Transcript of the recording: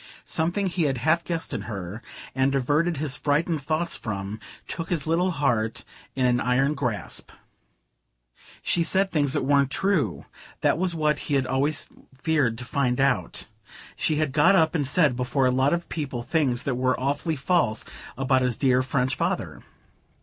Something he had half guessed in her, and averted his frightened thoughts from, took his little heart in an iron grasp. She said things that weren't true.... That was what he had always feared to find out.... She had got up and said before a lot of people things that were awfully false about his dear French father....